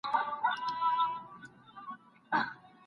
ما د حقایقو په لټه کي ډېري ستونزي وګاللې.